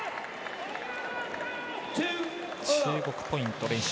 中国、ポイント連取。